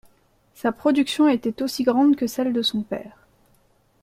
Sa production était aussi grande que celle de son père.